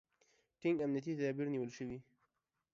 ټینګ امنیتي تدابیر نیول شوي.